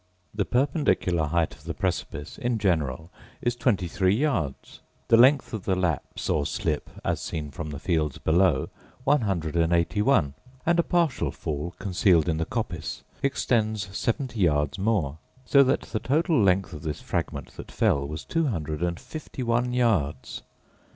The perpendicular height of the precipice, in general, is twenty three yards; the length of the lapse, or slip, as seen from the fields below, one hundred and eighty one; and a partial fall, concealed in the coppice, extends seventy yards more: so that the total length of this fragment that fell was two hundred and fifty one yards.